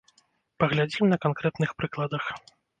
Паглядзім на канкрэтных прыкладах.